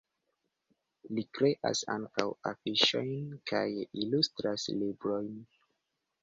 Li kreas ankaŭ afiŝojn kaj ilustras librojn.